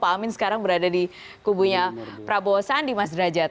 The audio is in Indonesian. pak amin sekarang berada di kubunya prabowo sandi mas derajat